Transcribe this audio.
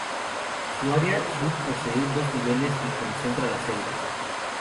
Su área sur posee dos niveles y concentra las celdas.